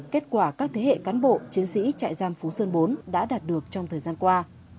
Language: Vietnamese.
kết quả các thế hệ cán bộ chiến sĩ trại giam phú sơn bốn đã đạt được trong thời gian qua